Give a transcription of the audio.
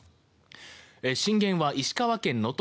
震源は石川県・能登